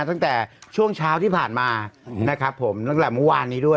ตั้งแต่ช่วงเช้าที่ผ่านมานะครับผมตั้งแต่เมื่อวานนี้ด้วย